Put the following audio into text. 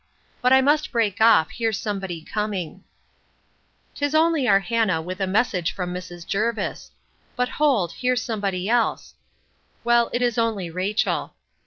—But I must break off; here's somebody coming. 'Tis only our Hannah with a message from Mrs. Jervis.—But, hold, here's somebody else. Well, it is only Rachel.